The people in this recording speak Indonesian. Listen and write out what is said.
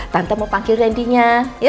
tante mau panggil randy nya